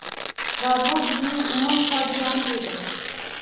Va bu bizning umum fojiamiz edi.